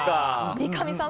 三上さん